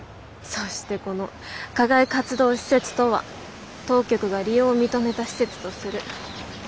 そしてこの「課外活動施設とは当局が利用を認めた施設とする」。